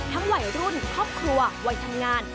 วัยรุ่นครอบครัววัยทำงาน